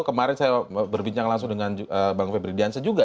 kemarin saya berbincang langsung dengan bang febri diansyah juga